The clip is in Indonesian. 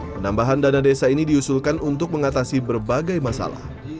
penambahan dana desa ini diusulkan untuk mengatasi berbagai masalah